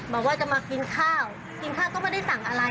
บอกว่าจะมากินข้าวกินข้าวก็ไม่ได้สั่งอะไร